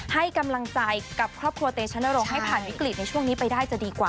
ให้กำลังใจกับครอบครัวเตชนรงค์ให้ผ่านวิกฤตในช่วงนี้ไปได้จะดีกว่า